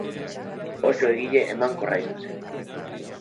Oso egile emankorra izan zen.